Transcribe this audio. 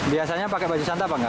biasanya pakai baju santa apa enggak